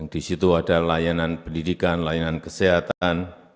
di situ ada layanan pendidikan layanan kesehatan